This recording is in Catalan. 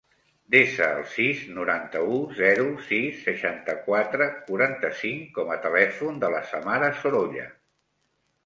Desa el sis, noranta-u, zero, sis, seixanta-quatre, quaranta-cinc com a telèfon de la Samara Sorolla.